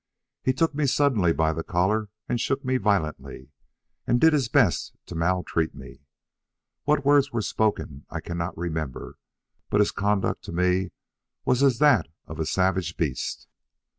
He took me suddenly by the collar and shook me violently, and did his best to maltreat me. What words were spoken I cannot remember; but his conduct to me was as that of a savage beast.